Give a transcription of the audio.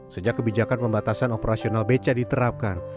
sejak kebijakan pembatasan operasional beca diterapkan